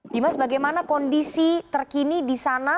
dimas bagaimana kondisi terkini di sana